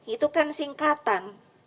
itu kan singkatan